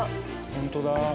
本当だ。